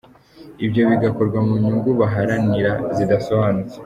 Ibyo bigakorwa mu nyungu baharanira zidasobanutse.